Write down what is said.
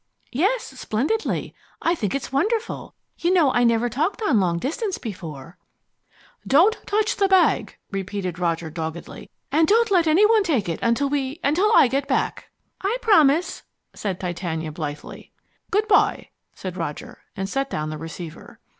"Yes, splendidly. I think it's wonderful! You know I never talked on long distance before " "Don't touch the bag," repeated Roger doggedly, "and don't let any one take it until we until I get back." "I promise," said Titania blithely. "Good bye," said Roger, and set down the receiver.